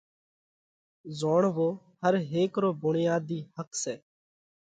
زوڻوو ھر ھيڪ رو ڀڻياڌي حق سئہ۔